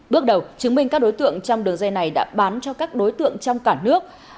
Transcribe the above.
bước đầu chứng minh các đối tượng trong đường dây này đã bán cho các đối tượng trong cả nước